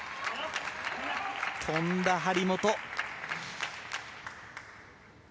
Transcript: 飛んだ張本。